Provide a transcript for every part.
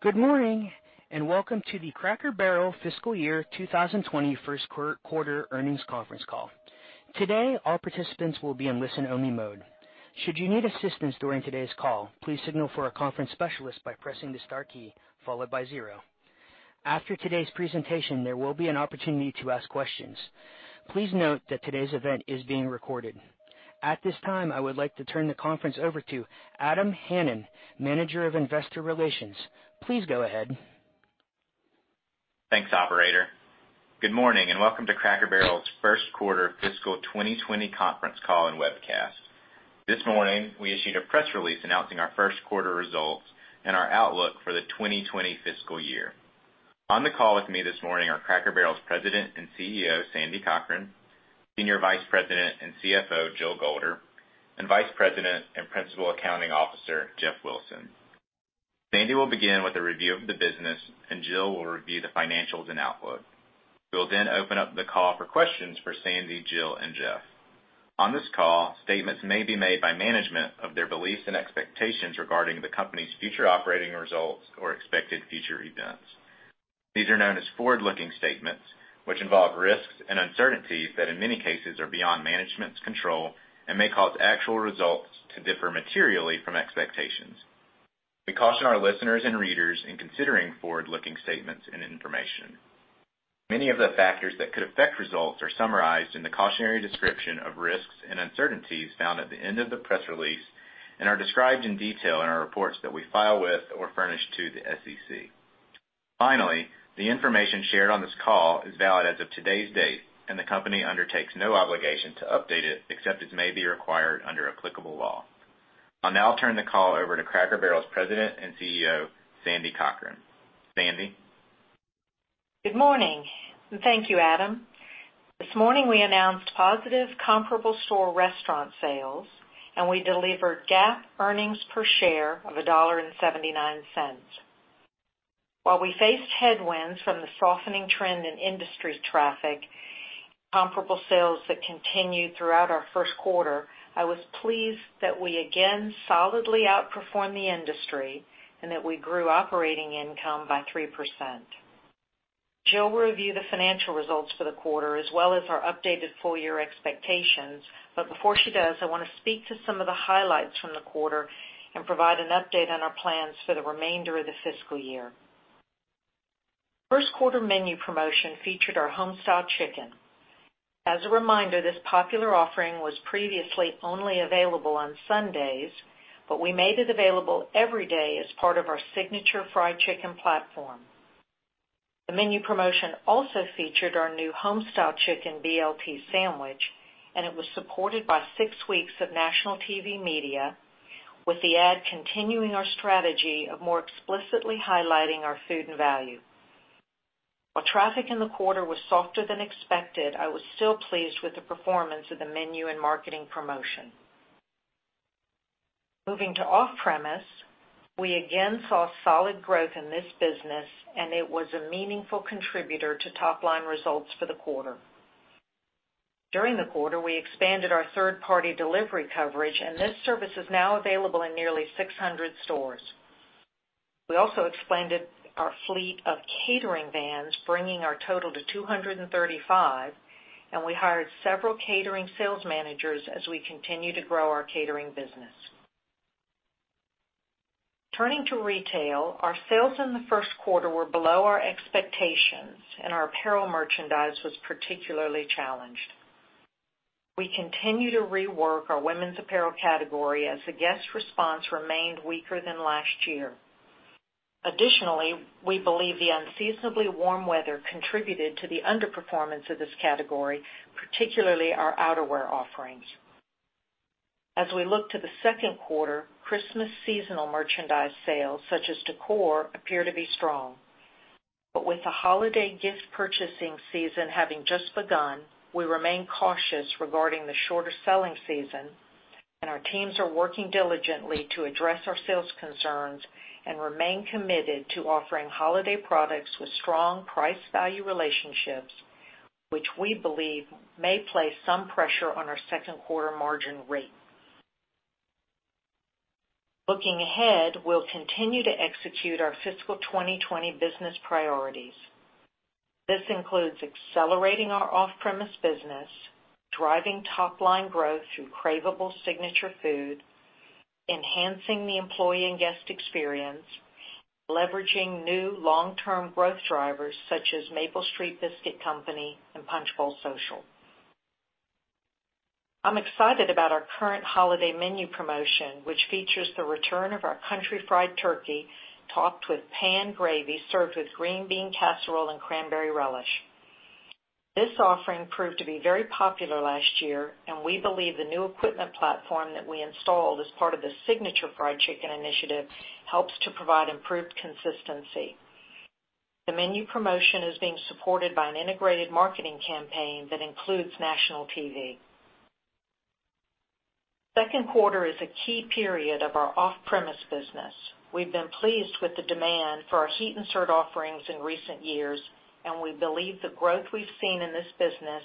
Good morning, and welcome to the Cracker Barrel fiscal year 2020 first quarter earnings conference call. Today, all participants will be in listen-only mode. Should you need assistance during today's call, please signal for a conference specialist by pressing the star key followed by zero. After today's presentation, there will be an opportunity to ask questions. Please note that today's event is being recorded. At this time, I would like to turn the conference over to Adam Hanan, Manager of Investor Relations. Please go ahead. Thanks, operator. Good morning, welcome to Cracker Barrel's first quarter fiscal 2020 conference call and webcast. This morning, we issued a press release announcing our first quarter results and our outlook for the 2020 fiscal year. On the call with me this morning are Cracker Barrel's President and CEO, Sandy Cochran, Senior Vice President and CFO, Jill Golder, and Vice President and Principal Accounting Officer, Jeff Wilson. Sandy will begin with a review of the business, and Jill will review the financials and outlook. We will open up the call for questions for Sandy, Jill, and Jeff. On this call, statements may be made by management of their beliefs and expectations regarding the company's future operating results or expected future events. These are known as forward-looking statements, which involve risks and uncertainties that in many cases are beyond management's control and may cause actual results to differ materially from expectations. We caution our listeners and readers in considering forward-looking statements and information. Many of the factors that could affect results are summarized in the cautionary description of risks and uncertainties found at the end of the press release and are described in detail in our reports that we file with or furnish to the SEC. Finally, the information shared on this call is valid as of today's date, and the company undertakes no obligation to update it, except as may be required under applicable law. I'll now turn the call over to Cracker Barrel's President and CEO, Sandy Cochran. Sandy? Good morning, and thank you, Adam. This morning, we announced positive comparable store restaurant sales, and we delivered GAAP earnings per share of $1.79. While we faced headwinds from the softening trend in industry traffic, comparable sales that continued throughout our first quarter, I was pleased that we again solidly outperformed the industry and that we grew operating income by 3%. Jill will review the financial results for the quarter as well as our updated full-year expectations, but before she does, I want to speak to some of the highlights from the quarter and provide an update on our plans for the remainder of the fiscal year. First quarter menu promotion featured our Homestyle Chicken. As a reminder, this popular offering was previously only available on Sundays, but we made it available every day as part of our Signature Fried Chicken platform. The menu promotion also featured our new Homestyle Chicken BLT sandwich. It was supported by 6 weeks of national TV media, with the ad continuing our strategy of more explicitly highlighting our food and value. While traffic in the quarter was softer than expected, I was still pleased with the performance of the menu and marketing promotion. Moving to off-premise, we again saw solid growth in this business. It was a meaningful contributor to top-line results for the quarter. During the quarter, we expanded our third-party delivery coverage. This service is now available in nearly 600 stores. We also expanded our fleet of catering vans, bringing our total to 235. We hired several catering sales managers as we continue to grow our catering business. Turning to retail, our sales in the first quarter were below our expectations. Our apparel merchandise was particularly challenged. We continue to rework our women's apparel category as the guest response remained weaker than last year. Additionally, we believe the unseasonably warm weather contributed to the underperformance of this category, particularly our outerwear offerings. As we look to the second quarter, Christmas seasonal merchandise sales, such as decor, appear to be strong. With the holiday gift purchasing season having just begun, we remain cautious regarding the shorter selling season, and our teams are working diligently to address our sales concerns and remain committed to offering holiday products with strong price-value relationships, which we believe may place some pressure on our second quarter margin rate. Looking ahead, we'll continue to execute our fiscal 2020 business priorities. This includes accelerating our off-premise business, driving top-line growth through craveable signature food, enhancing the employee and guest experience, leveraging new long-term growth drivers such as Maple Street Biscuit Company and Punch Bowl Social. I'm excited about our current holiday menu promotion, which features the return of our Country Fried Turkey topped with pan gravy, served with green bean casserole and cranberry relish. This offering proved to be very popular last year, and we believe the new equipment platform that we installed as part of the Signature Fried Chicken initiative helps to provide improved consistency. The menu promotion is being supported by an integrated marketing campaign that includes national TV. Second quarter is a key period of our off-premise business. We've been pleased with the demand for our Heat & Serve offerings in recent years, and we believe the growth we've seen in this business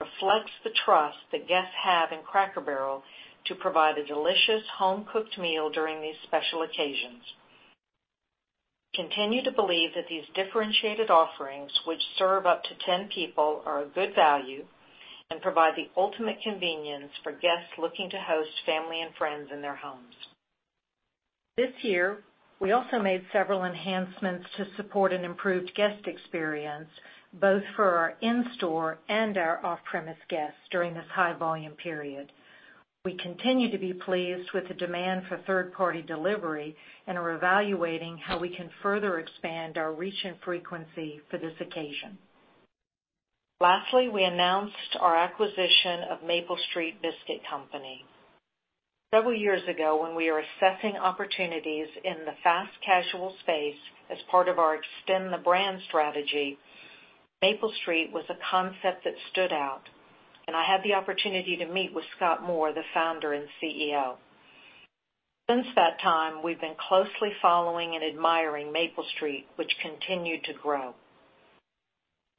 reflects the trust that guests have in Cracker Barrel to provide a delicious home-cooked meal during these special occasions. Continue to believe that these differentiated offerings, which serve up to 10 people, are a good value and provide the ultimate convenience for guests looking to host family and friends in their homes. This year, we also made several enhancements to support an improved guest experience, both for our in-store and our off-premise guests during this high-volume period. We continue to be pleased with the demand for third-party delivery and are evaluating how we can further expand our reach and frequency for this occasion. Lastly, we announced our acquisition of Maple Street Biscuit Company. Several years ago, when we were assessing opportunities in the fast-casual space as part of our Extend the Brand Strategy, Maple Street was a concept that stood out, and I had the opportunity to meet with Scott Moore, the Founder and CEO. Since that time, we've been closely following and admiring Maple Street, which continued to grow.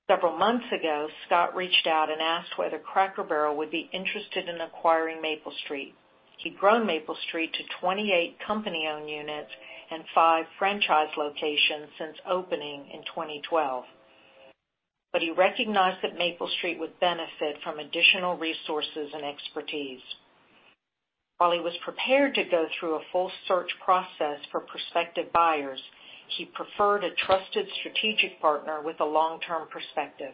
Several months ago, Scott reached out and asked whether Cracker Barrel would be interested in acquiring Maple Street. He'd grown Maple Street to 28 company-owned units and five franchise locations since opening in 2012. He recognized that Maple Street would benefit from additional resources and expertise. While he was prepared to go through a full search process for prospective buyers, he preferred a trusted strategic partner with a long-term perspective.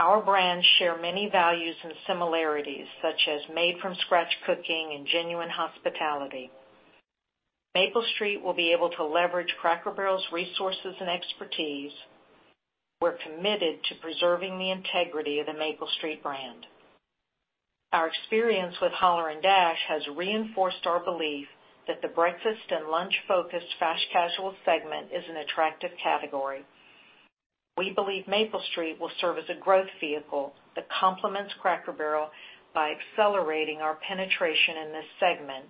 Our brands share many values and similarities, such as made-from-scratch cooking and genuine hospitality. Maple Street will be able to leverage Cracker Barrel's resources and expertise. We're committed to preserving the integrity of the Maple Street brand. Our experience with Holler & Dash has reinforced our belief that the breakfast and lunch-focused fast-casual segment is an attractive category. We believe Maple Street will serve as a growth vehicle that complements Cracker Barrel by accelerating our penetration in this segment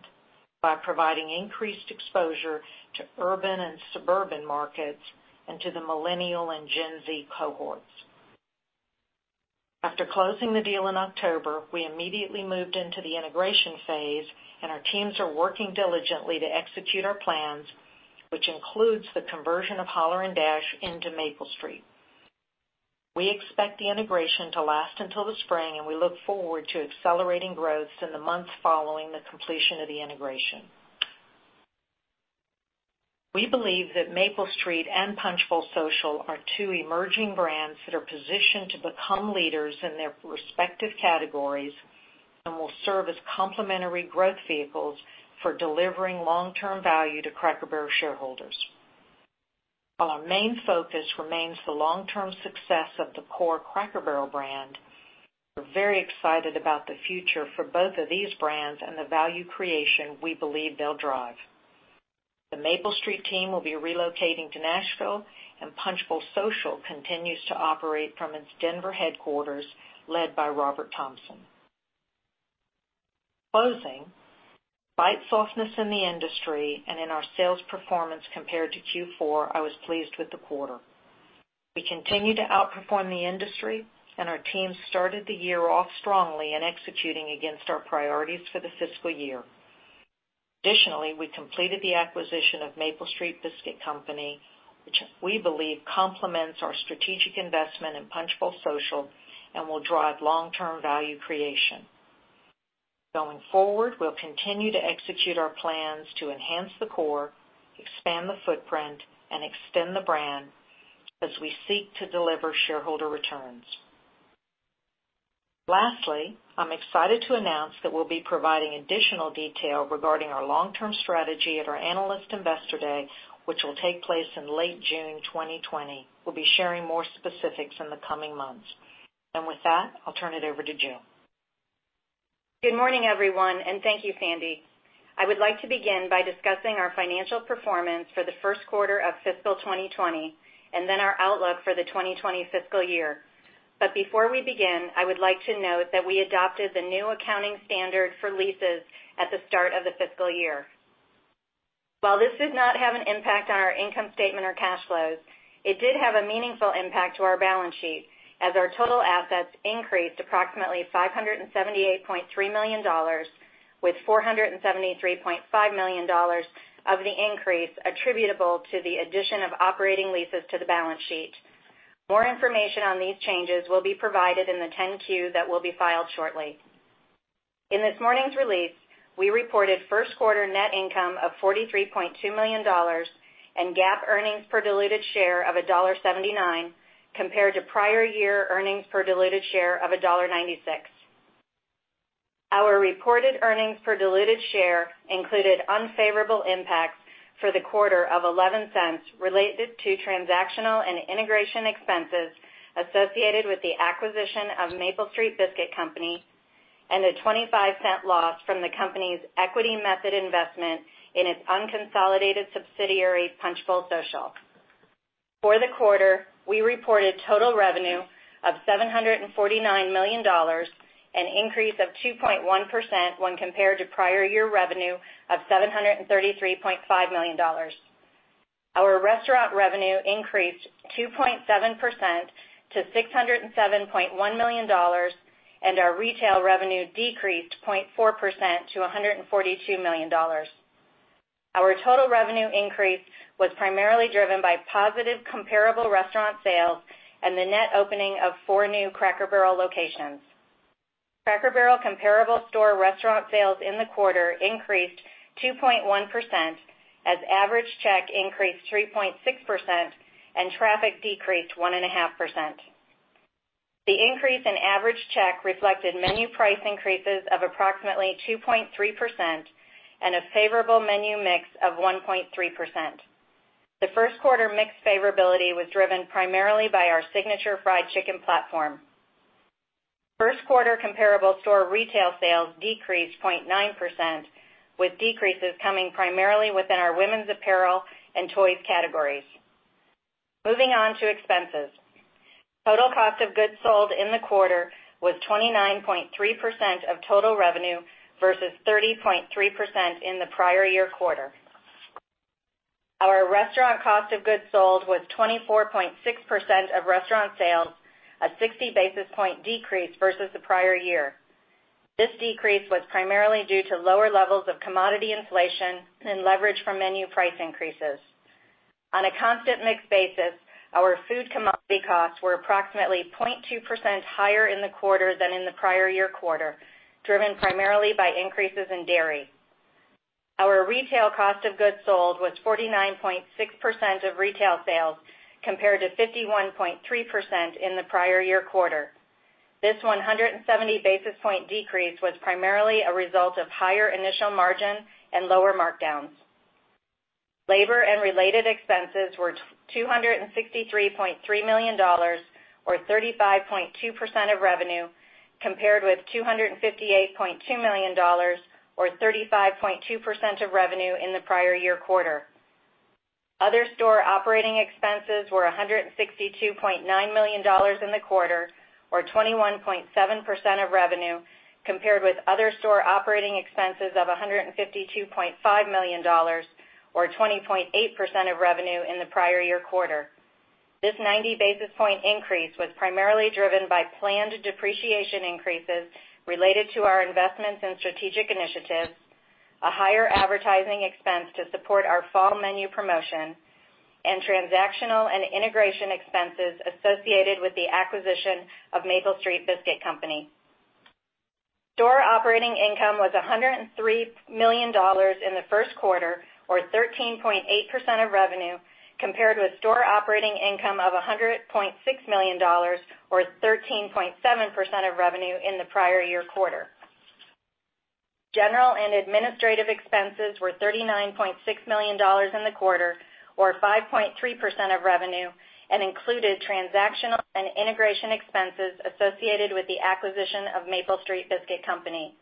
by providing increased exposure to urban and suburban markets and to the Millennial and Gen Z cohorts. After closing the deal in October, we immediately moved into the integration phase, and our teams are working diligently to execute our plans, which includes the conversion of Holler & Dash into Maple Street. We expect the integration to last until the spring, and we look forward to accelerating growth in the months following the completion of the integration. We believe that Maple Street and Punch Bowl Social are two emerging brands that are positioned to become leaders in their respective categories and will serve as complementary growth vehicles for delivering long-term value to Cracker Barrel shareholders. While our main focus remains the long-term success of the core Cracker Barrel brand, we're very excited about the future for both of these brands and the value creation we believe they'll drive. The Maple Street team will be relocating to Nashville, and Punch Bowl Social continues to operate from its Denver headquarters, led by Robert Thompson. Closing, slight softness in the industry and in our sales performance compared to Q4, I was pleased with the quarter. We continue to outperform the industry, and our team started the year off strongly in executing against our priorities for the fiscal year. Additionally, we completed the acquisition of Maple Street Biscuit Company, which we believe complements our strategic investment in Punch Bowl Social and will drive long-term value creation. Going forward, we'll continue to execute our plans to enhance the core, expand the footprint, and extend the brand as we seek to deliver shareholder returns. Lastly, I'm excited to announce that we'll be providing additional detail regarding our long-term strategy at our Analyst Investor Day, which will take place in late June 2020. We'll be sharing more specifics in the coming months. With that, I'll turn it over to Jill. Good morning, everyone, and thank you, Sandy. I would like to begin by discussing our financial performance for the first quarter of fiscal 2020 and then our outlook for the 2020 fiscal year. Before we begin, I would like to note that we adopted the new accounting standard for leases at the start of the fiscal year. While this did not have an impact on our income statement or cash flows, it did have a meaningful impact to our balance sheet, as our total assets increased approximately $578.3 million, with $473.5 million of the increase attributable to the addition of operating leases to the balance sheet. More information on these changes will be provided in the 10-Q that will be filed shortly. In this morning's release, we reported first quarter net income of $43.2 million and GAAP earnings per diluted share of $1.79, compared to prior year earnings per diluted share of $1.96. Our reported earnings per diluted share included unfavorable impacts for the quarter of $0.11 related to transactional and integration expenses associated with the acquisition of Maple Street Biscuit Company and a $0.25 loss from the company's equity method investment in its unconsolidated subsidiary, Punch Bowl Social. For the quarter, we reported total revenue of $749 million, an increase of 2.1% when compared to prior year revenue of $733.5 million. Our restaurant revenue increased 2.7% to $607.1 million. Our retail revenue decreased 0.4% to $142 million. Our total revenue increase was primarily driven by positive comparable restaurant sales and the net opening of four new Cracker Barrel locations. Cracker Barrel comparable store restaurant sales in the quarter increased 2.1% as average check increased 3.6% and traffic decreased 1.5%. The increase in average check reflected menu price increases of approximately 2.3% and a favorable menu mix of 1.3%. The first quarter mix favorability was driven primarily by our Signature Fried Chicken platform. First quarter comparable store retail sales decreased 0.9%, with decreases coming primarily within our women's apparel and toys categories. Moving on to expenses. Total cost of goods sold in the quarter was 29.3% of total revenue versus 30.3% in the prior year quarter. Our restaurant cost of goods sold was 24.6% of restaurant sales, a 60-basis point decrease versus the prior year. This decrease was primarily due to lower levels of commodity inflation and leverage from menu price increases. On a constant mix basis, our food commodity costs were approximately 0.2% higher in the quarter than in the prior year quarter, driven primarily by increases in dairy. Our retail cost of goods sold was 49.6% of retail sales, compared to 51.3% in the prior year quarter. This 170-basis point decrease was primarily a result of higher initial margin and lower markdowns. Labor and related expenses were $263.3 million, or 35.2% of revenue, compared with $258.2 million, or 35.2% of revenue in the prior year quarter. Other store operating expenses were $162.9 million in the quarter, or 21.7% of revenue, compared with other store operating expenses of $152.5 million, or 20.8% of revenue in the prior year quarter. This 90 basis points increase was primarily driven by planned depreciation increases related to our investments in strategic initiatives, a higher advertising expense to support our fall menu promotion, and transactional and integration expenses associated with the acquisition of Maple Street Biscuit Company. Store operating income was $103 million in the first quarter, or 13.8% of revenue, compared with store operating income of $100.6 million or 13.7% of revenue in the prior year quarter. General and administrative expenses were $39.6 million in the quarter, or 5.3% of revenue, and included transactional and integration expenses associated with the acquisition of Maple Street Biscuit Company.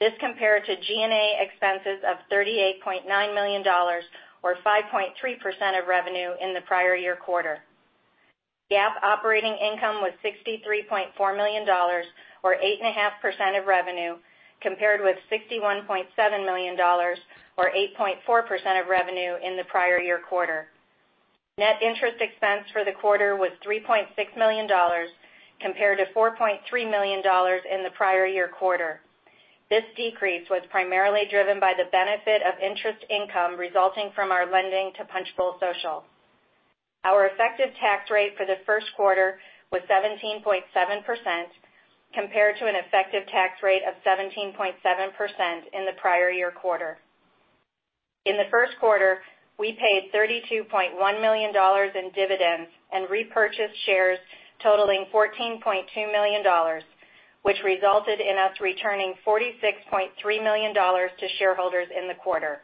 This compared to G&A expenses of $38.9 million, or 5.3% of revenue in the prior year quarter. GAAP operating income was $63.4 million, or 8.5% of revenue, compared with $61.7 million, or 8.4% of revenue in the prior year quarter. Net interest expense for the quarter was $3.6 million, compared to $4.3 million in the prior year quarter. This decrease was primarily driven by the benefit of interest income resulting from our lending to Punch Bowl Social. Our effective tax rate for the first quarter was 17.7%, compared to an effective tax rate of 17.7% in the prior year quarter. In the first quarter, we paid $32.1 million in dividends and repurchased shares totaling $14.2 million, which resulted in us returning $46.3 million to shareholders in the quarter.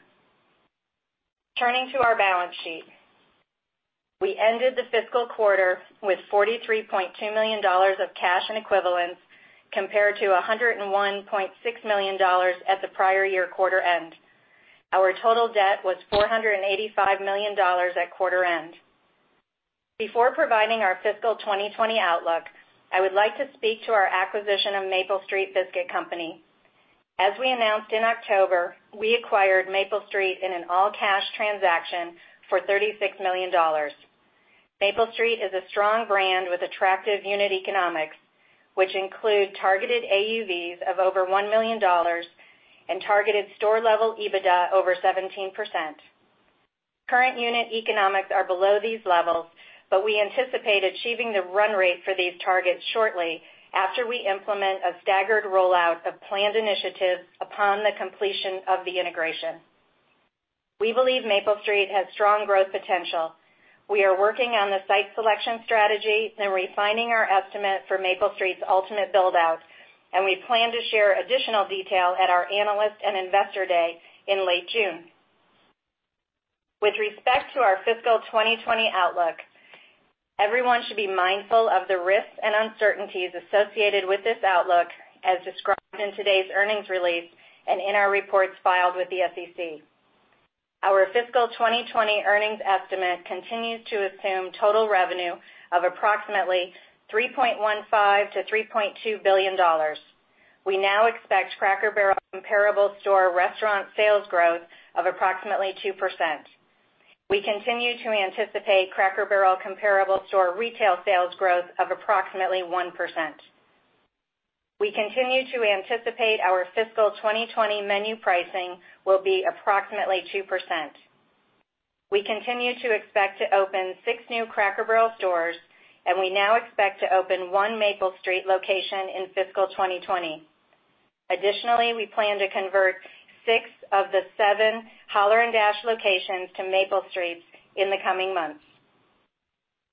Turning to our balance sheet. We ended the fiscal quarter with $43.2 million of cash and equivalents, compared to $101.6 million at the prior year quarter end. Our total debt was $485 million at quarter end. Before providing our fiscal 2020 outlook, I would like to speak to our acquisition of Maple Street Biscuit Company. As we announced in October, we acquired Maple Street in an all-cash transaction for $36 million. Maple Street is a strong brand with attractive unit economics, which include targeted AUVs of over $1 million and targeted store-level EBITDA over 17%. Current unit economics are below these levels, but we anticipate achieving the run rate for these targets shortly after we implement a staggered rollout of planned initiatives upon the completion of the integration. We believe Maple Street has strong growth potential. We are working on the site selection strategy and refining our estimate for Maple Street's ultimate build-out, and we plan to share additional detail at our Analyst and Investor Day in late June. With respect to our fiscal 2020 outlook, everyone should be mindful of the risks and uncertainties associated with this outlook, as described in today's earnings release and in our reports filed with the SEC. Our fiscal 2020 earnings estimate continues to assume total revenue of approximately $3.15 billion-$3.2 billion. We now expect Cracker Barrel comparable store restaurant sales growth of approximately 2%. We continue to anticipate Cracker Barrel comparable store retail sales growth of approximately 1%. We continue to anticipate our fiscal 2020 menu pricing will be approximately 2%. We continue to expect to open six new Cracker Barrel stores. We now expect to open one Maple Street location in fiscal 2020. Additionally, we plan to convert six of the seven Holler & Dash locations to Maple Streets in the coming months.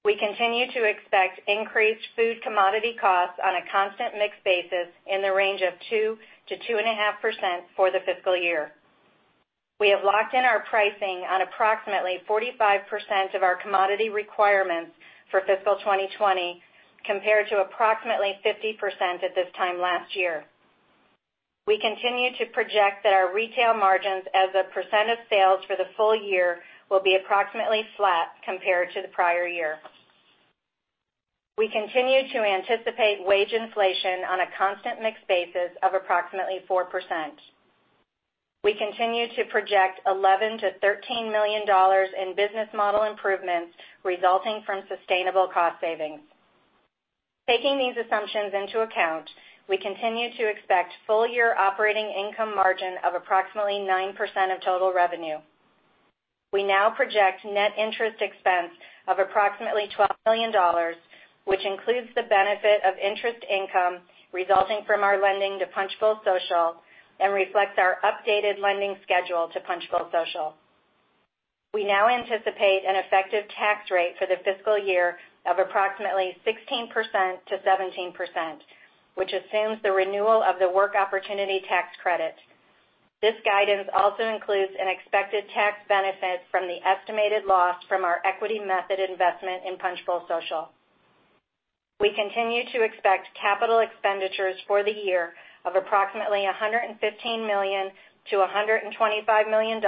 We continue to expect increased food commodity costs on a constant mixed basis in the range of 2%-2.5% for the fiscal year. We have locked in our pricing on approximately 45% of our commodity requirements for fiscal 2020, compared to approximately 50% at this time last year. We continue to project that our retail margins as a % of sales for the full year will be approximately flat compared to the prior year. We continue to anticipate wage inflation on a constant mixed basis of approximately 4%. We continue to project $11 million-$13 million in business model improvements resulting from sustainable cost savings. Taking these assumptions into account, we continue to expect full-year operating income margin of approximately 9% of total revenue. We now project net interest expense of approximately $12 million, which includes the benefit of interest income resulting from our lending to Punch Bowl Social and reflects our updated lending schedule to Punch Bowl Social. We now anticipate an effective tax rate for the fiscal year of approximately 16%-17%, which assumes the renewal of the Work Opportunity Tax Credit. This guidance also includes an expected tax benefit from the estimated loss from our equity method investment in Punch Bowl Social. We continue to expect capital expenditures for the year of approximately $115 million to $125 million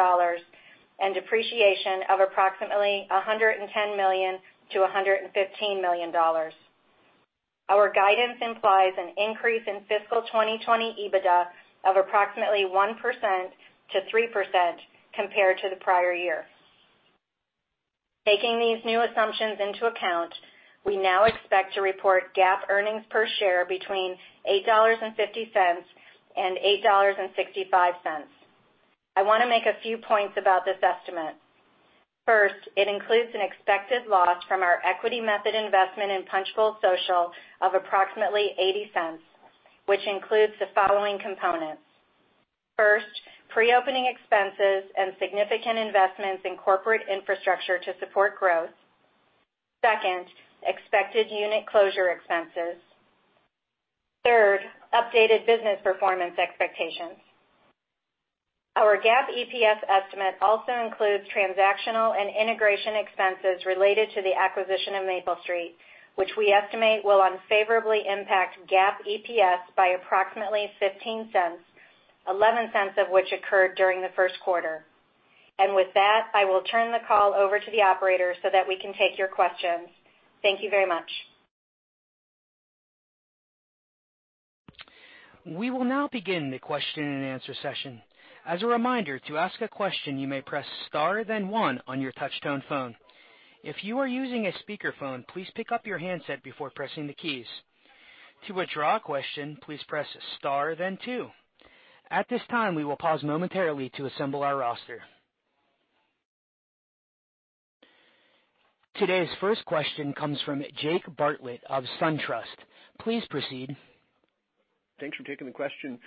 and depreciation of approximately $110 million to $115 million. Our guidance implies an increase in fiscal 2020 EBITDA of approximately 1% to 3% compared to the prior year. Taking these new assumptions into account, we now expect to report GAAP earnings per share between $8.50 and $8.65. I want to make a few points about this estimate. First, it includes an expected loss from our equity method investment in Punch Bowl Social of approximately $0.80, which includes the following components. First, pre-opening expenses and significant investments in corporate infrastructure to support growth. Second, expected unit closure expenses. Third, updated business performance expectations. Our GAAP EPS estimate also includes transactional and integration expenses related to the acquisition of Maple Street, which we estimate will unfavorably impact GAAP EPS by approximately $0.15, $0.11 of which occurred during the first quarter. With that, I will turn the call over to the operator so that we can take your questions. Thank you very much. We will now begin the question and answer session. As a reminder, to ask a question, you may press star then one on your touch-tone phone. If you are using a speakerphone, please pick up your handset before pressing the keys. To withdraw a question, please press star then two. At this time, we will pause momentarily to assemble our roster. Today's first question comes from Jake Bartlett of SunTrust. Please proceed. Thanks for taking the question.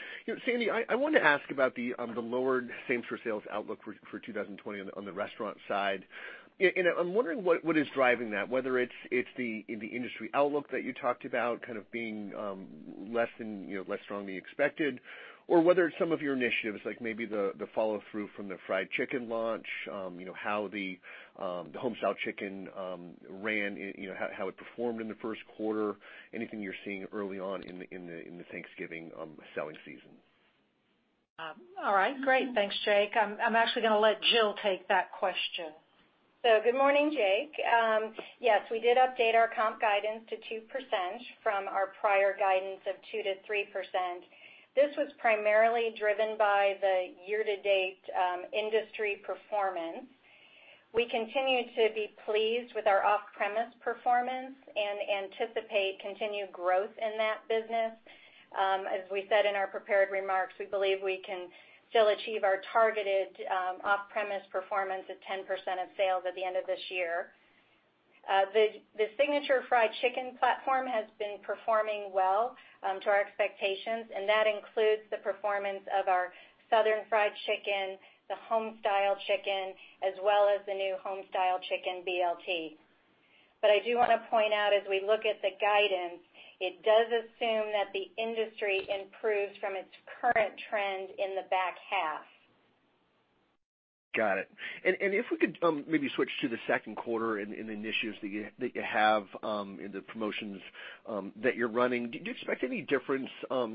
Sandy, I wanted to ask about the lowered same-store sales outlook for 2020 on the restaurant side. I'm wondering what is driving that, whether it's the industry outlook that you talked about being less strongly expected, or whether it's some of your initiatives, like maybe the follow-through from the fried chicken launch, how the Homestyle Chicken ran, how it performed in the first quarter, anything you're seeing early on in the Thanksgiving selling season. All right. Great. Thanks, Jake. I'm actually going to let Jill take that question. Good morning, Jake. Yes, we did update our comp guidance to 2% from our prior guidance of 2%-3%. This was primarily driven by the year-to-date industry performance. We continue to be pleased with our off-premise performance and anticipate continued growth in that business. As we said in our prepared remarks, we believe we can still achieve our targeted off-premise performance of 10% of sales at the end of this year. The Signature Fried Chicken platform has been performing well to our expectations, and that includes the performance of our Southern Fried Chicken, the Homestyle Chicken, as well as the new Homestyle Chicken BLT. I do want to point out as we look at the guidance, it does assume that the industry improves from its current trend in the back half. Got it. If we could maybe switch to the second quarter and the initiatives that you have and the promotions that you're running. Do you expect any difference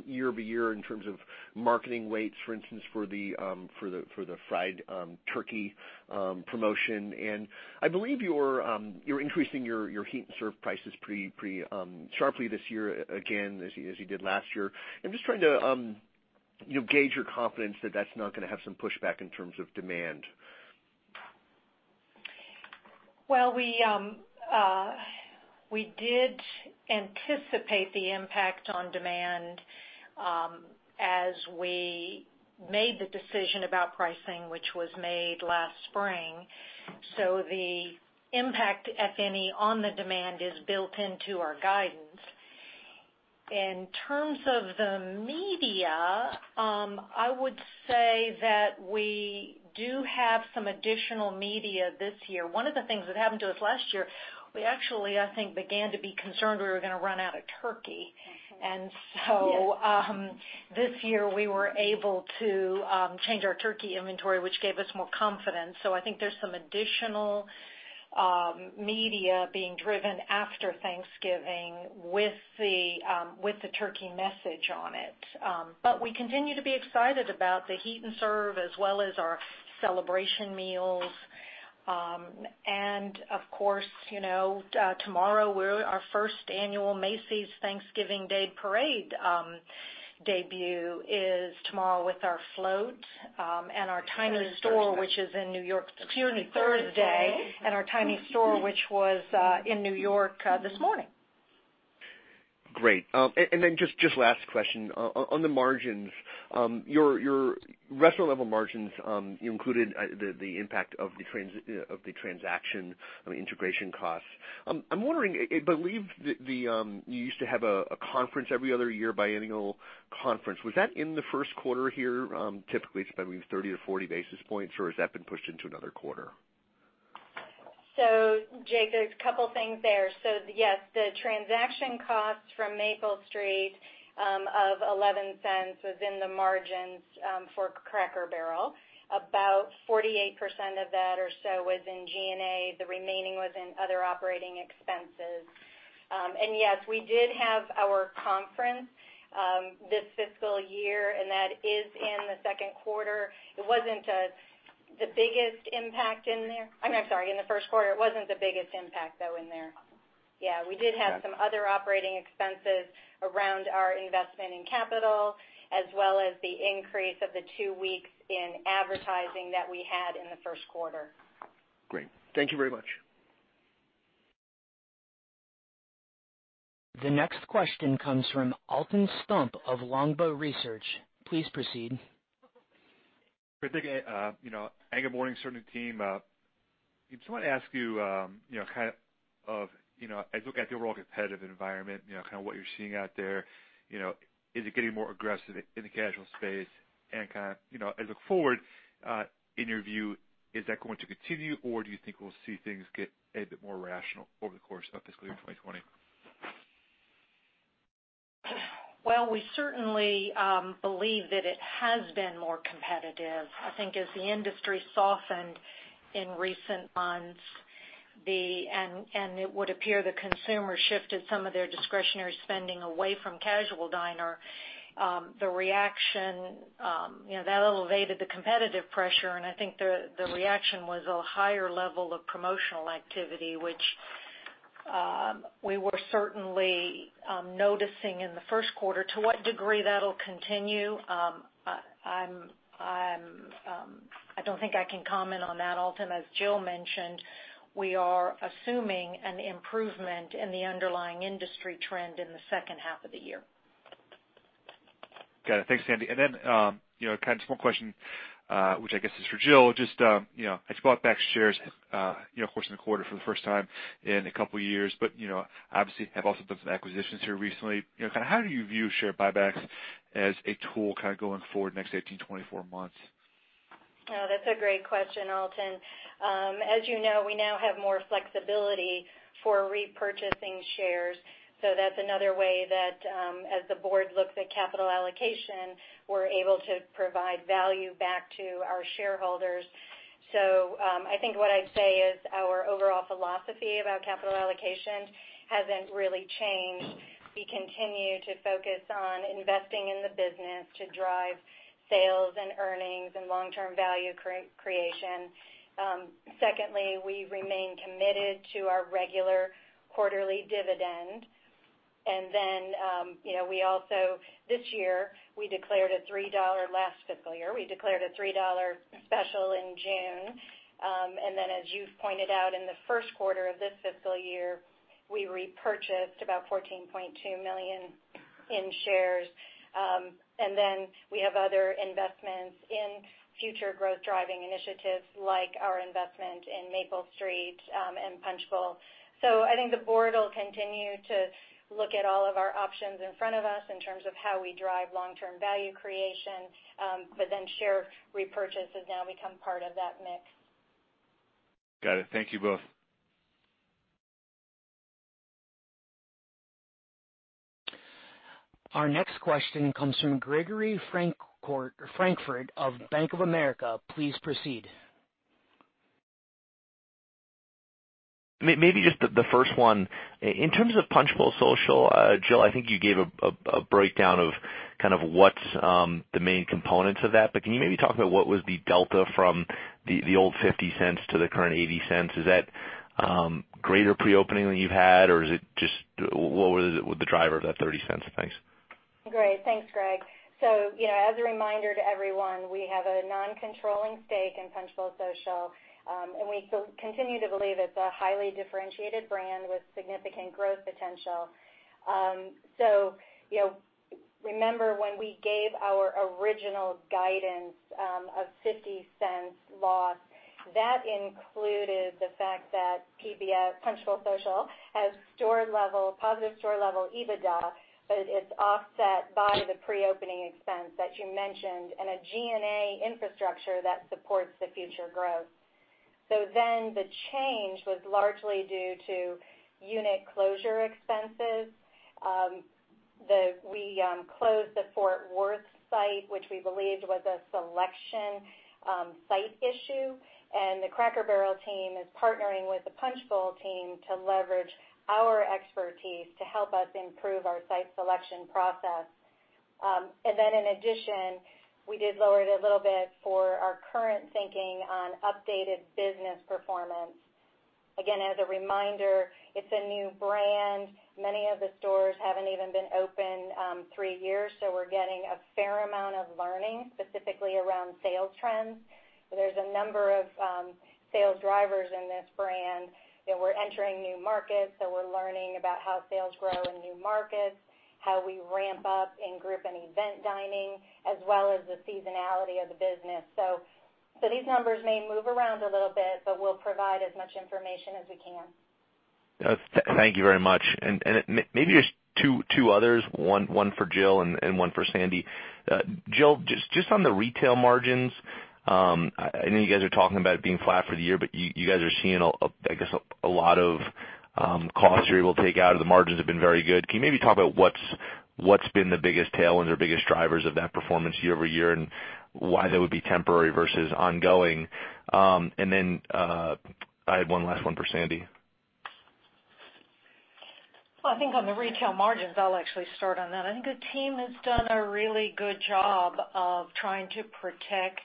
year-over-year in terms of marketing weights, for instance, for the Country Fried Turkey promotion? I believe you're increasing your Heat & Serve prices pretty sharply this year again as you did last year. I'm just trying to gauge your confidence that that's not going to have some pushback in terms of demand. We did anticipate the impact on demand as we made the decision about pricing, which was made last spring. The impact, if any, on the demand is built into our guidance. In terms of the media, I would say that we do have some additional media this year. One of the things that happened to us last year, we actually, I think, began to be concerned we were going to run out of turkey. This year we were able to change our turkey inventory, which gave us more confidence. I think there's some additional media being driven after Thanksgiving with the turkey message on it. We continue to be excited about the Heat & Serve as well as our celebration meals. Of course, tomorrow our first annual Macy's Thanksgiving Day Parade debut is tomorrow with our float and our tiny store, which is in New York. Thursday excuse me, Thursday, our tiny store, which was in New York this morning. Great. Just last question. On the margins, your restaurant level margins, you included the impact of the transaction on the integration costs. I’m wondering, I believe that you used to have a conference every other year, biennial conference. Was that in the first quarter here? Typically, it’s between 30 to 40 basis points, or has that been pushed into another quarter? Jake, there's a couple things there. Yes, the transaction costs from Maple Street, of $0.11 was in the margins, for Cracker Barrel. About 48% of that or so was in G&A. The remaining was in other operating expenses. Yes, we did have our conference this fiscal year, and that is in the second quarter. It wasn't the biggest impact in there. I'm sorry, in the first quarter. It wasn't the biggest impact though in there. Yeah, we did have some other operating expenses around our investment in capital, as well as the increase of the two weeks in advertising that we had in the first quarter. Great. Thank you very much. The next question comes from Alton Stump of Longbow Research. Please proceed. [inaudible] good morning. Certainly, team, I just want to ask you, as you look at the overall competitive environment, what you're seeing out there, is it getting more aggressive in the casual space? As I look forward, in your view, is that going to continue, or do you think we'll see things get a bit more rational over the course of fiscal year 2020? We certainly believe that it has been more competitive. As the industry softened in recent months, and it would appear the consumer shifted some of their discretionary spending away from casual dining. That elevated the competitive pressure, and I think the reaction was a higher level of promotional activity, which we were certainly noticing in the first quarter. To what degree that'll continue, I don't think I can comment on that, Alton. As Jill mentioned, we are assuming an improvement in the underlying industry trend in the second half of the year. Got it. Thanks, Sandy. Then, kind of a small question, which I guess is for Jill, just as you bought back shares, of course, in the quarter for the first time in a couple of years, but obviously have also done some acquisitions here recently. How do you view share buybacks as a tool going forward next 18, 24 months? That's a great question, Alton. As you know, we now have more flexibility for repurchasing shares. That's another way that, as the board looks at capital allocation, we're able to provide value back to our shareholders. I think what I'd say is our overall philosophy about capital allocation hasn't really changed. We continue to focus on investing in the business to drive sales and earnings and long-term value creation. Secondly, we remain committed to our regular quarterly dividend. This year, we declared a $3 last fiscal year. We declared a $3 special in June. As you've pointed out in the first quarter of this fiscal year, we repurchased about $14.2 million in shares. We have other investments in future growth-driving initiatives like our investment in Maple Street and Punch Bowl Social. I think the board will continue to look at all of our options in front of us in terms of how we drive long-term value creation. Share repurchase has now become part of that mix. Got it. Thank you both. Our next question comes from Gregory Francfort of Bank of America. Please proceed. Maybe just the first one. In terms of Punch Bowl Social, Jill, I think you gave a breakdown of what's the main components of that. Can you maybe talk about what was the delta from the old $0.50 to the current $0.80? Is that greater pre-opening than you've had, or what was the driver of that $0.30? Thanks. Great. Thanks, Greg. As a reminder to everyone, we have a non-controlling stake in Punch Bowl Social, and we continue to believe it's a highly differentiated brand with significant growth potential. Remember when we gave our original guidance of $0.50 loss, that included the fact that PBS, Punch Bowl Social, has positive store level EBITDA, but it's offset by the pre-opening expense that you mentioned and a G&A infrastructure that supports the future growth. The change was largely due to unit closure expenses. We closed the Fort Worth site, which we believed was a selection site issue, and the Cracker Barrel team is partnering with the Punch Bowl team to leverage our expertise to help us improve our site selection process. In addition, we did lower it a little bit for our current thinking on updated business performance. Again, as a reminder, it's a new brand. Many of the stores haven't even been open three years, so we're getting a fair amount of learning, specifically around sales trends. There's a number of sales drivers in this brand. We're entering new markets, so we're learning about how sales grow in new markets, how we ramp up in group and event dining, as well as the seasonality of the business. These numbers may move around a little bit, but we'll provide as much information as we can. Thank you very much. Maybe just two others, one for Jill and one for Sandy. Jill, just on the retail margins, I know you guys are talking about it being flat for the year, but you guys are seeing, I guess, a lot of costs you're able to take out. The margins have been very good. Can you maybe talk about what's been the biggest tailwinds or biggest drivers of that performance year-over-year and why that would be temporary versus ongoing? Then, I have one last one for Sandy. Well, I think on the retail margins, I'll actually start on that. I think the team has done a really good job of trying to protect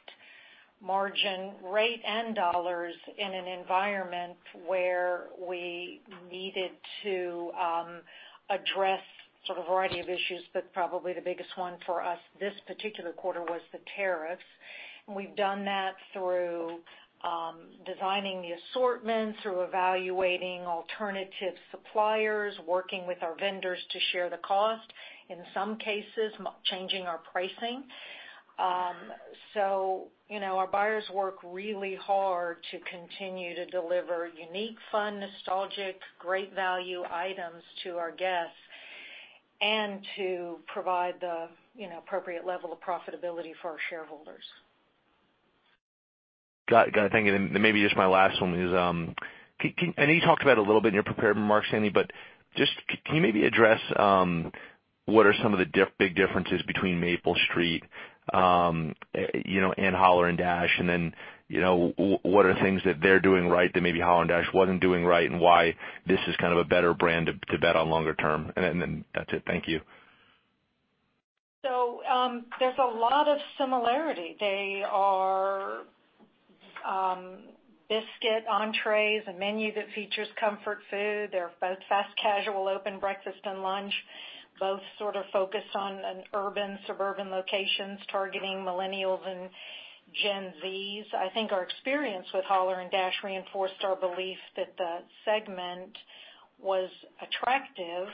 margin rate and dollars in an environment where we needed to address sort of a variety of issues, but probably the biggest one for us this particular quarter was the tariffs. We've done that through designing the assortments, through evaluating alternative suppliers, working with our vendors to share the cost, in some cases, changing our pricing. Our buyers work really hard to continue to deliver unique, fun, nostalgic, great value items to our guests and to provide the appropriate level of profitability for our shareholders. Got it. Thank you. Maybe just my last one is, I know you talked about it a little bit in your prepared remarks, Sandy, but just, can you maybe address what are some of the big differences between Maple Street and Holler & Dash? What are things that they're doing right that maybe Holler & Dash wasn't doing right, and why this is kind of a better brand to bet on longer term? That's it. Thank you. There's a lot of similarity. They are biscuit entrees, a menu that features comfort food. They're both fast casual, open breakfast and lunch, both sort of focused on an urban, suburban locations targeting Millennials and Gen Z. I think our experience with Holler & Dash reinforced our belief that the segment was attractive.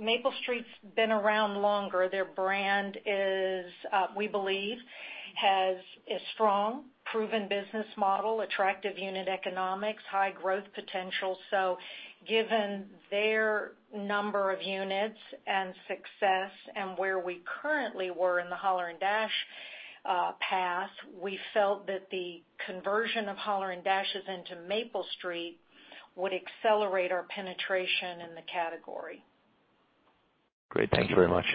Maple Street's been around longer. Their brand is, we believe, has a strong, proven business model, attractive unit economics, high growth potential. Given their number of units and success and where we currently were in the Holler & Dash path, we felt that the conversion of Holler & Dashes into Maple Street would accelerate our penetration in the category. Great. Thank you very much.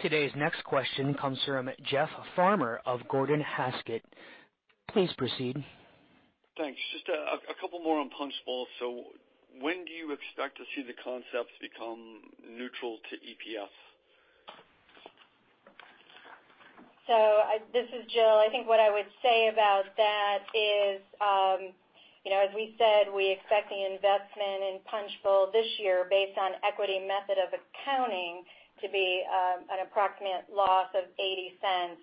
Today's next question comes from Jeff Farmer of Gordon Haskett. Please proceed. Thanks. Just a couple more on Punch Bowl. When do you expect to see the concepts become neutral to EPS? This is Jill. I think what I would say about that is, as we said, we expect the investment in Punch Bowl Social this year, based on equity method of accounting, to be an approximate loss of $0.80.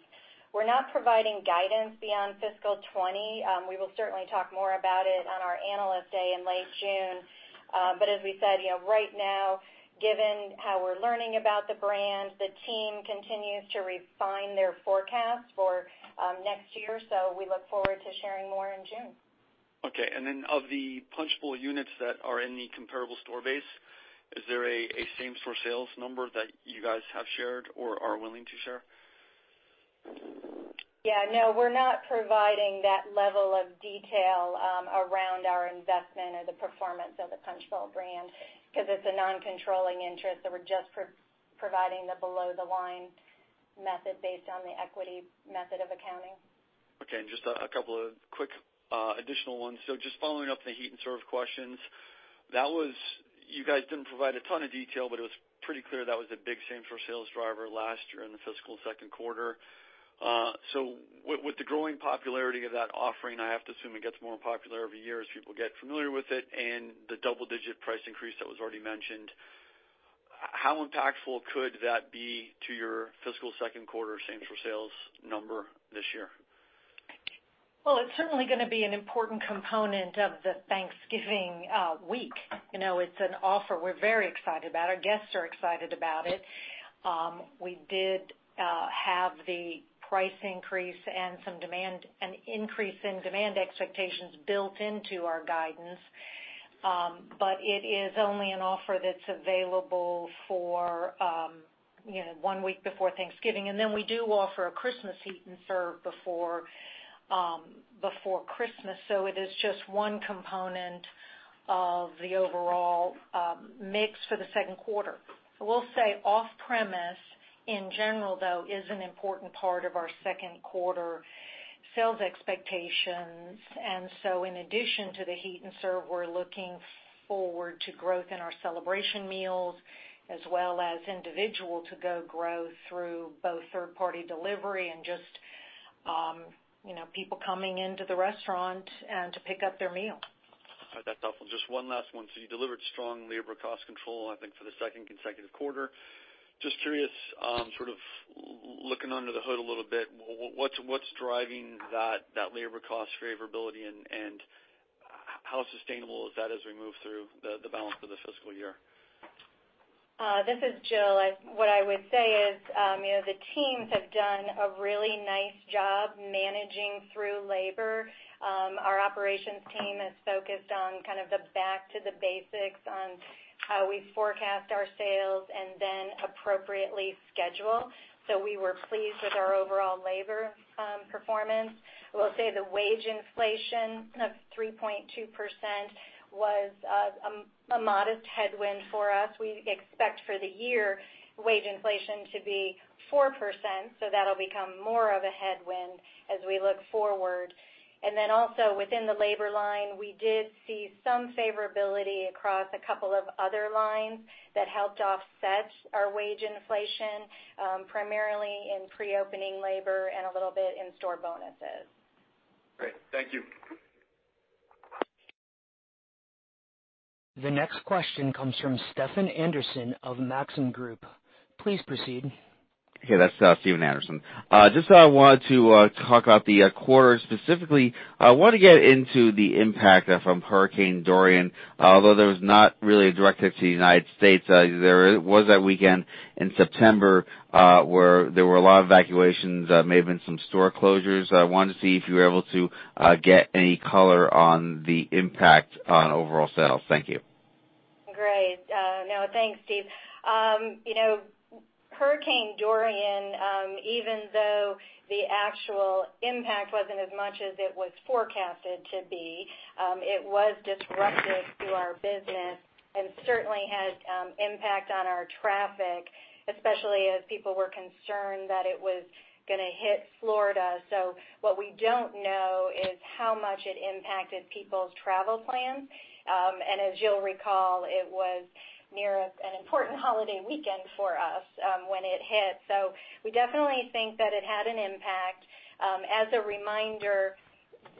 We're not providing guidance beyond fiscal 2020. We will certainly talk more about it on our Analyst Day in late June. As we said, right now, given how we're learning about the brand, the team continues to refine their forecast for next year. We look forward to sharing more in June. Okay. Of the Punchbowl units that are in the comparable store base, is there a same-store sales number that you guys have shared or are willing to share? Yeah, no. We're not providing that level of detail around our investment or the performance of the Punchbowl brand because it's a non-controlling interest, so we're just providing the below the line method based on the equity method of accounting. Okay, just a couple of quick additional ones. Just following up the Heat & Serve questions. You guys didn't provide a ton of detail, but it was pretty clear that was a big same-store sales driver last year in the fiscal second quarter. With the growing popularity of that offering, I have to assume it gets more popular every year as people get familiar with it, and the double-digit price increase that was already mentioned. How impactful could that be to your fiscal second quarter same-store sales number this year? Well, it's certainly going to be an important component of the Thanksgiving week. It's an offer we're very excited about. Our guests are excited about it. We did have the price increase and some demand, an increase in demand expectations built into our guidance. It is only an offer that's available for one week before Thanksgiving. We do offer a Christmas Heat & Serve before Christmas. It is just one component of the overall mix for the second quarter. I will say off-premise, in general, though, is an important part of our second-quarter sales expectations. In addition to the Heat & Serve, we're looking forward to growth in our celebration meals as well as individual to-go growth through both third-party delivery and just people coming into the restaurant to pick up their meal. All right. That's helpful. Just one last one. You delivered strong labor cost control, I think for the second consecutive quarter. Just curious, sort of looking under the hood a little bit, what's driving that labor cost favorability, and how sustainable is that as we move through the balance of the fiscal year? This is Jill. What I would say is the teams have done a really nice job managing through labor. Our operations team is focused on kind of the back to the basics on how we forecast our sales and then appropriately schedule. We were pleased with our overall labor performance. I will say the wage inflation of 3.2% was a modest headwind for us. We expect for the year wage inflation to be 4%, so that'll become more of a headwind as we look forward. Also within the labor line, we did see some favorability across a couple of other lines that helped offset our wage inflation, primarily in pre-opening labor and a little bit in store bonuses. Great. Thank you. The next question comes from Stephen Anderson of Maxim Group. Please proceed. Okay. That's Stephen Anderson. Just wanted to talk about the quarter. Specifically, I want to get into the impact from Hurricane Dorian. Although there was not really a direct hit to the United States, there was that weekend in September, where there were a lot of evacuations, may have been some store closures. I wanted to see if you were able to get any color on the impact on overall sales. Thank you. Great. No, thanks, Stephen. Hurricane Dorian, even though the actual impact wasn't as much as it was forecasted to be, it was disruptive to our business and certainly had impact on our traffic, especially as people were concerned that it was going to hit Florida. What we don't know is how much it impacted people's travel plans. As you'll recall, it was near an important holiday weekend for us when it hit. We definitely think that it had an impact. As a reminder,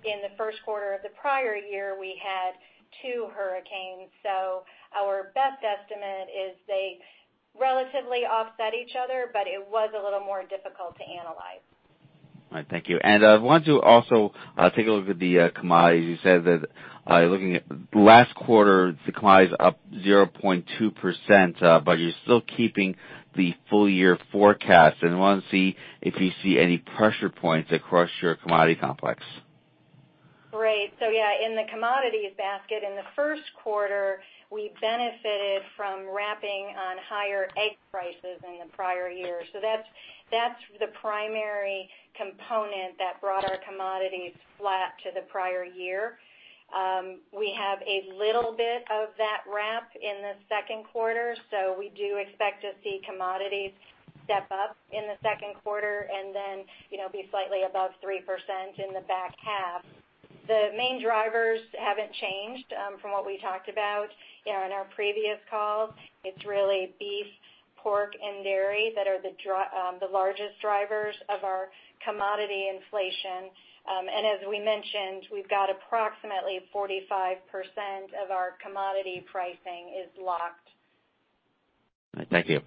in the first quarter of the prior year, we had two hurricanes. Our best estimate is they relatively offset each other, but it was a little more difficult to analyze. All right. Thank you. I want to also take a look at the commodities. You said that looking at last quarter, declines up 0.2%, but you're still keeping the full year forecast. I want to see if you see any pressure points across your commodity complex. Great. In the commodities basket, in the first quarter, we benefited from wrapping on higher egg prices than the prior year. That's the primary component that brought our commodities flat to the prior year. We have a little bit of that wrap in the second quarter, so we do expect to see commodities step up in the second quarter and then be slightly above 3% in the back half. The main drivers haven't changed from what we talked about in our previous calls. It's really beef, pork, and dairy that are the largest drivers of our commodity inflation. As we mentioned, we've got approximately 45% of our commodity pricing is locked. All right. Thank you.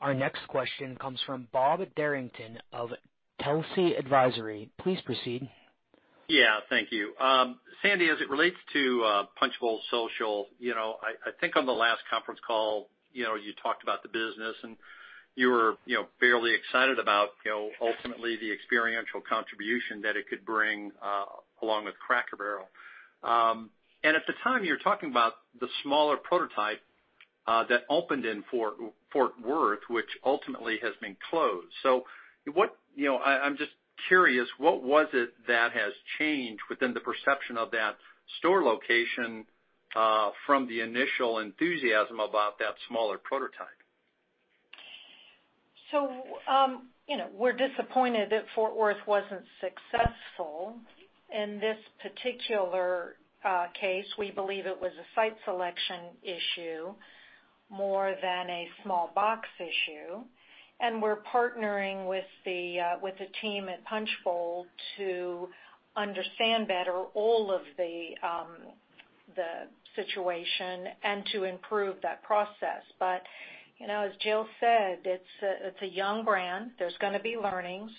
Our next question comes from Bob Derrington of Telsey Advisory. Please proceed. Yeah, thank you. Sandy, as it relates to Punch Bowl Social, I think on the last conference call, you talked about the business, and you were fairly excited about ultimately the experiential contribution that it could bring along with Cracker Barrel. At the time, you were talking about the smaller prototype that opened in Fort Worth, which ultimately has been closed. I'm just curious, what was it that has changed within the perception of that store location from the initial enthusiasm about that smaller prototype? We're disappointed that Fort Worth wasn't successful. In this particular case, we believe it was a site selection issue more than a small box issue, and we're partnering with the team at Punch Bowl Social to understand better all of the situation and to improve that process. As Jill said, it's a young brand. There's going to be learnings.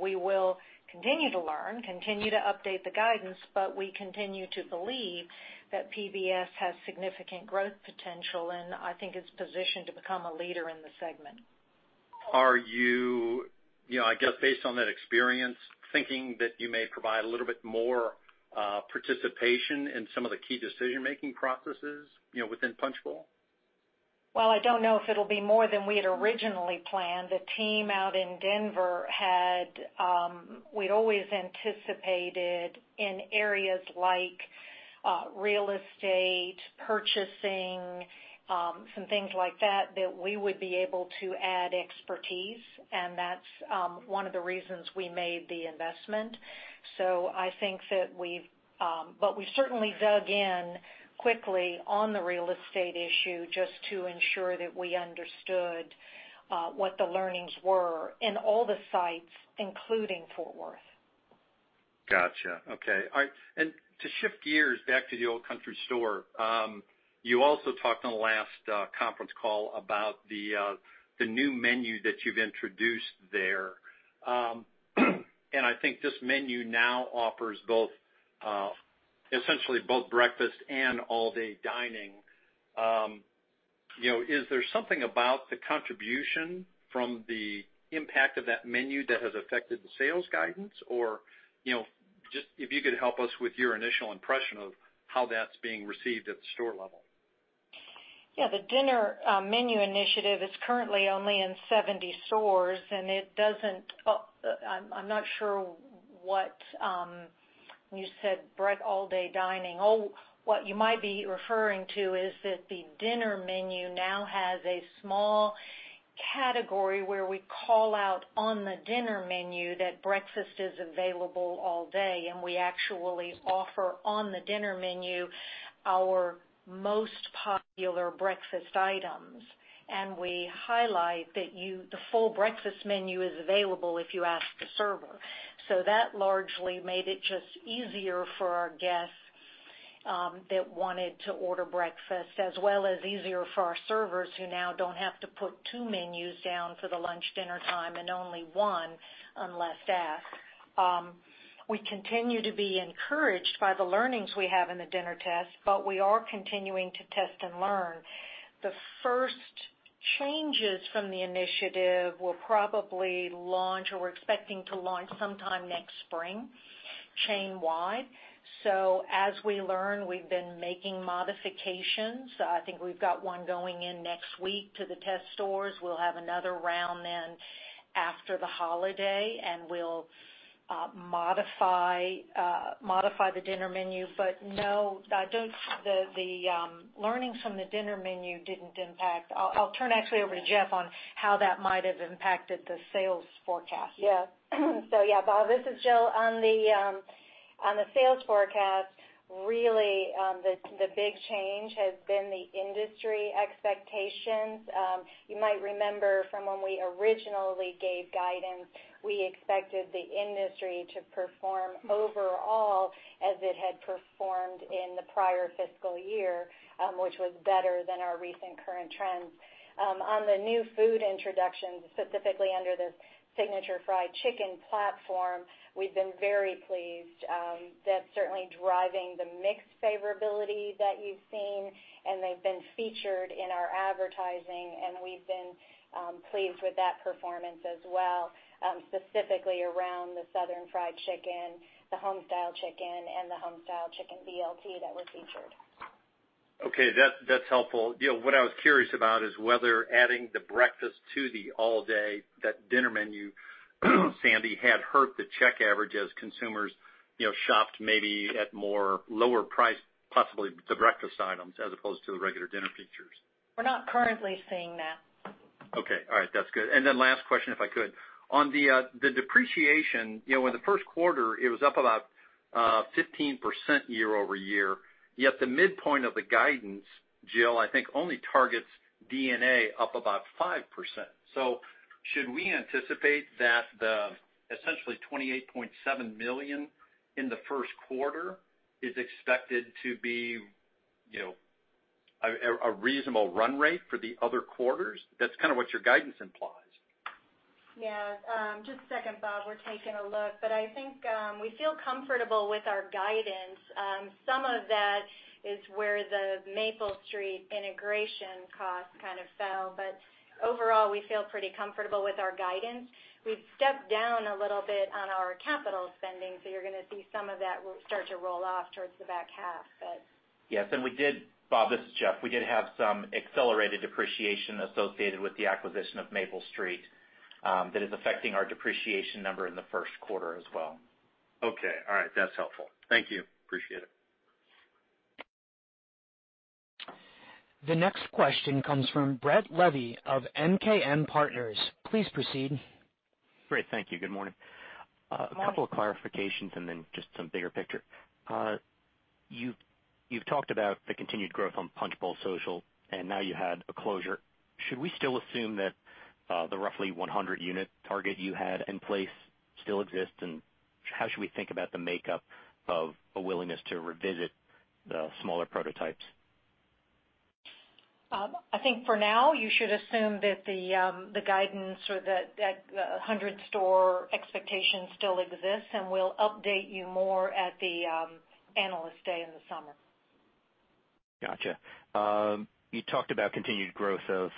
We will continue to learn, continue to update the guidance, but we continue to believe that PBS has significant growth potential, and I think it's positioned to become a leader in the segment. Are you, I guess, based on that experience, thinking that you may provide a little bit more participation in some of the key decision-making processes within Punchbowl? Well, I don't know if it'll be more than we had originally planned. The team out in Denver. We'd always anticipated in areas like real estate, purchasing, some things like that we would be able to add expertise, and that's one of the reasons we made the investment. We certainly dug in quickly on the real estate issue just to ensure that we understood what the learnings were in all the sites, including Fort Worth. Got you. Okay. To shift gears back to the Old Country Store. You also talked on the last conference call about the new menu that you've introduced there. I think this menu now offers essentially both breakfast and all-day dining. Is there something about the contribution from the impact of that menu that has affected the sales guidance? Or, just if you could help us with your initial impression of how that's being received at the store level. Yeah, the dinner menu initiative is currently only in 70 stores. I'm not sure what you said all-day dining. Oh, what you might be referring to is that the dinner menu now has a small category where we call out on the dinner menu that breakfast is available all day, and we actually offer on the dinner menu our most popular breakfast items. We highlight that the full breakfast menu is available if you ask the server. That largely made it just easier for our guests that wanted to order breakfast as well as easier for our servers who now don't have to put two menus down for the lunch, dinner time and only one unless asked. We continue to be encouraged by the learnings we have in the dinner test, but we are continuing to test and learn. The first changes from the initiative will probably launch or we're expecting to launch sometime next spring, chain-wide. As we learn, we've been making modifications. I think we've got one going in next week to the test stores. We'll have another round then after the holiday, and we'll modify the dinner menu. No, the learnings from the dinner menu didn't impact. I'll turn actually over to Jill on how that might have impacted the sales forecast. Bob, this is Jill. On the sales forecast, the big change has been the industry expectations. You might remember from when we originally gave guidance, we expected the industry to perform overall as it had performed in the prior fiscal year, which was better than our recent current trends. On the new food introductions, specifically under the Signature Fried Chicken platform, we've been very pleased. That's certainly driving the mix favorability that you've seen, and they've been featured in our advertising, and we've been pleased with that performance as well, specifically around the Southern Fried Chicken, the Homestyle Chicken and the Homestyle Chicken BLT that was featured. Okay, that's helpful. What I was curious about is whether adding the breakfast to the all day, that dinner menu Sandy had hurt the check average as consumers shopped maybe at more lower price, possibly the breakfast items as opposed to the regular dinner features? We're not currently seeing that. Okay. All right. That's good. Last question, if I could. On the depreciation, in the first quarter, it was up about 15% year-over-year, yet the midpoint of the guidance, Jill, I think only targets D&A up about 5%. Should we anticipate that the essentially $28.7 million in the first quarter is expected to be a reasonable run rate for the other quarters? That's kind of what your guidance implies. Yeah. Just a second, Bob. We're taking a look. I think we feel comfortable with our guidance. Some of that is where the Maple Street integration cost kind of fell, but overall, we feel pretty comfortable with our guidance. We've stepped down a little bit on our capital spending, you're going to see some of that will start to roll off towards the back half. Yes. We did, Bob, this is Jeff. We did have some accelerated depreciation associated with the acquisition of Maple Street that is affecting our depreciation number in the first quarter as well. Okay. All right. That's helpful. Thank you. Appreciate it. The next question comes from Brett Levy of MKM Partners. Please proceed. Great. Thank you. Good morning. Good morning. A couple of clarifications and then just some bigger picture. You've talked about the continued growth on Punch Bowl Social, and now you had a closure. Should we still assume that the roughly 100 unit target you had in place still exists? How should we think about the makeup of a willingness to revisit the smaller prototypes? I think for now, you should assume that the guidance or that 100 store expectation still exists, and we'll update you more at the Analyst Day in the summer. Got you. You talked about continued growth of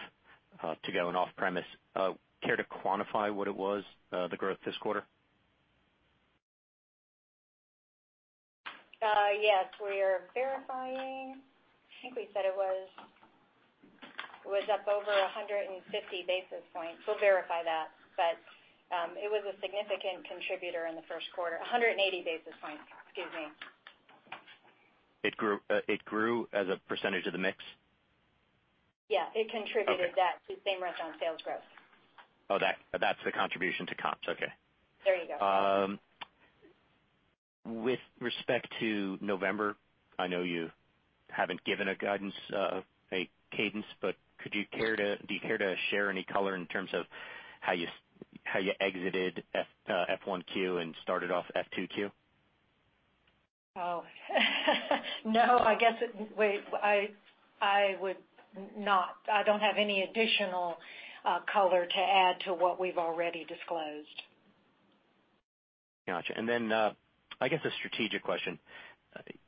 to-go and off-premise. Care to quantify what it was, the growth this quarter? Yes. We are verifying. I think we said it was up over 150 basis points. We'll verify that. It was a significant contributor in the first quarter, 180 basis points. Excuse me. It grew as a percentage of the mix? Yes. Okay. It contributed that to same restaurant sales growth. Oh, that's the contribution to comps. Okay. There you go. With respect to November, I know you haven't given a guidance of a cadence, but do you care to share any color in terms of how you exited F1Q and started off F2Q? No, I guess I would not. I don't have any additional color to add to what we've already disclosed. Got you. I guess a strategic question.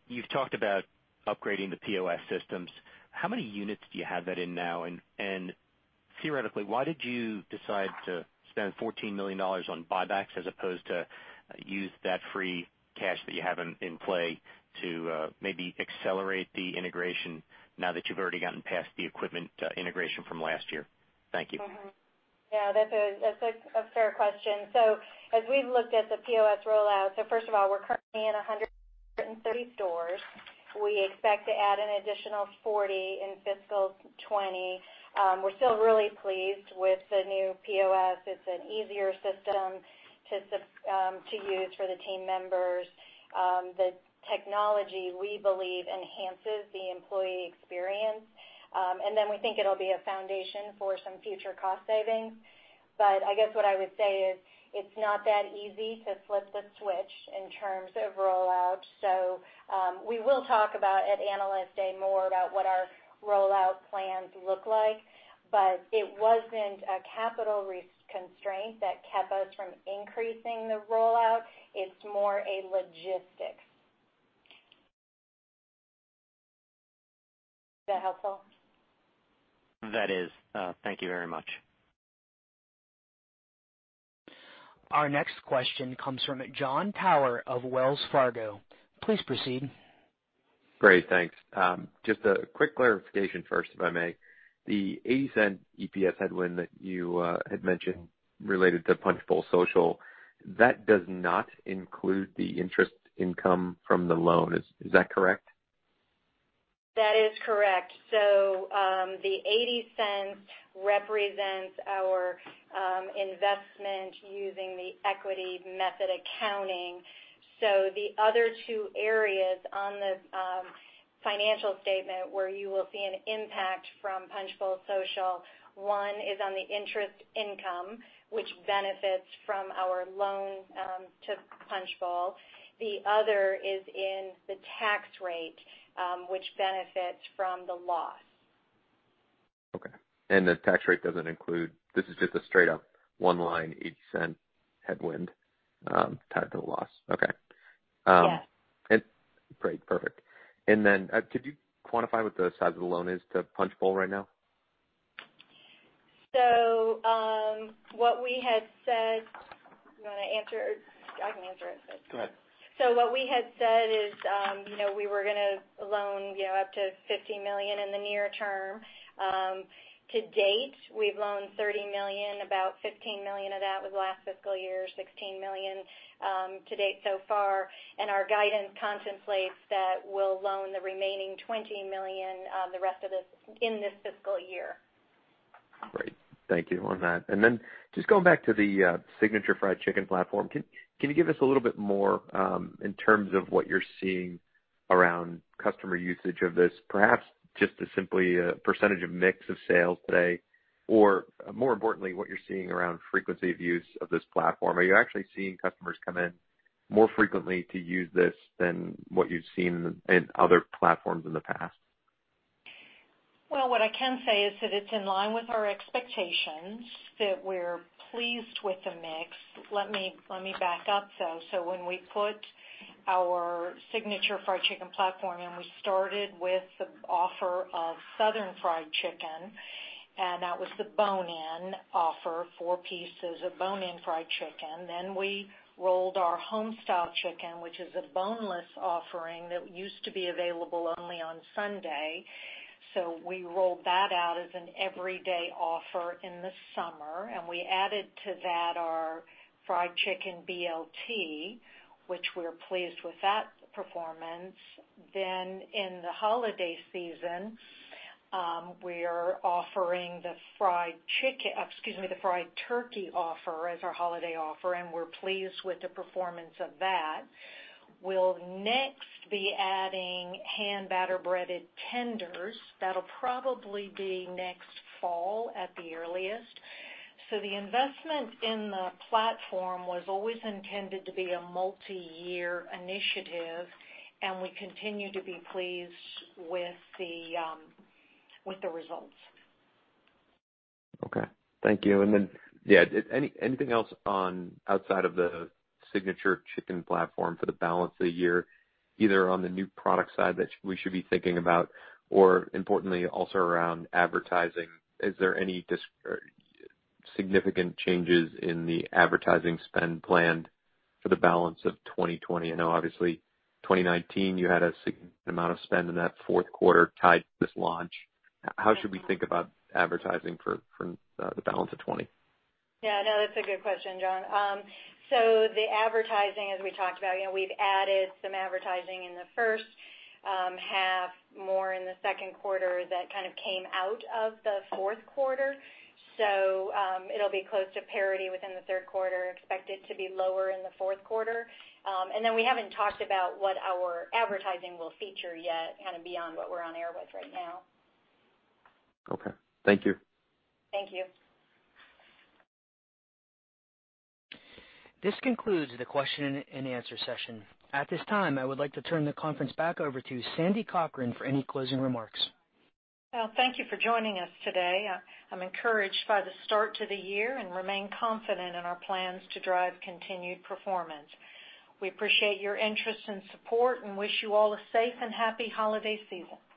You've talked about upgrading the POS systems. How many units do you have that in now? Theoretically, why did you decide to spend $14 million on buybacks as opposed to use that free cash that you have in play to maybe accelerate the integration now that you've already gotten past the equipment integration from last year? Thank you. Yeah, that's a fair question. As we've looked at the POS rollout, so first of all, we're currently in 130 stores. We expect to add an additional 40 in fiscal 2020. We're still really pleased with the new POS. It's an easier system to use for the team members. The technology, we believe, enhances the employee experience. Then we think it'll be a foundation for some future cost savings. I guess what I would say is it's not that easy to flip the switch in terms of rollout. We will talk about at Analyst Day more about what our rollout plans look like, but it wasn't a capital constraint that kept us from increasing the rollout. It's more a logistics. Is that helpful? That is. Thank you very much. Our next question comes from Jon Tower of Wells Fargo. Please proceed. Great. Thanks. Just a quick clarification first, if I may. The $0.80 EPS headwind that you had mentioned related to Punch Bowl Social, that does not include the interest income from the loan. Is that correct? That is correct. The $0.80 represents our investment using the equity method accounting. The other two areas on the financial statement where you will see an impact from Punch Bowl Social, one is on the interest income, which benefits from our loan to Punch Bowl. The other is in the tax rate, which benefits from the loss. Okay. This is just a straight up one-line $0.80 headwind tied to the loss. Okay. Yeah. Great. Perfect. Then could you quantify what the size of the loan is to Punchbowl right now? You want to answer or I can answer it? Go ahead. What we had said is we were going to loan up to $50 million in the near term. To date, we've loaned $30 million. About $15 million of that was last fiscal year, $16 million to date so far, and our guidance contemplates that we'll loan the remaining $20 million in this fiscal year. Great. Thank you on that. Just going back to the Signature Fried Chicken platform, can you give us a little bit more in terms of what you're seeing around customer usage of this, perhaps just as simply a % of mix of sales today, or more importantly, what you're seeing around frequency of use of this platform. Are you actually seeing customers come in more frequently to use this than what you've seen in other platforms in the past? What I can say is that it's in line with our expectations that we're pleased with the mix. Let me back up, though. When we put our Signature Fried Chicken platform in, we started with the offer of Southern Fried Chicken, and that was the bone-in offer, four pieces of bone-in fried chicken. We rolled our Homestyle Chicken, which is a boneless offering that used to be available only on Sunday. We rolled that out as an everyday offer in the summer, and we added to that our Homestyle Chicken BLT, which we're pleased with that performance. In the holiday season. We're offering the fried turkey offer as our holiday offer, and we're pleased with the performance of that. We'll next be adding hand-batter breaded tenders. That'll probably be next fall at the earliest. The investment in the platform was always intended to be a multi-year initiative, and we continue to be pleased with the results. Okay. Thank you. Anything else outside of the Signature chicken platform for the balance of the year, either on the new product side that we should be thinking about, or importantly, also around advertising? Is there any significant changes in the advertising spend planned for the balance of 2020? I know, obviously, 2019, you had a significant amount of spend in that fourth quarter tied to this launch. How should we think about advertising for the balance of 2020? Yeah, no, that's a good question, Jon. The advertising, as we talked about, we've added some advertising in the first half, more in the second quarter that kind of came out of the fourth quarter. It'll be close to parity within the third quarter, expected to be lower in the fourth quarter. We haven't talked about what our advertising will feature yet, kind of beyond what we're on air with right now. Okay. Thank you. Thank you. This concludes the question and answer session. At this time, I would like to turn the conference back over to Sandy Cochran for any closing remarks. Thank you for joining us today. I'm encouraged by the start to the year and remain confident in our plans to drive continued performance. We appreciate your interest and support and wish you all a safe and happy holiday season.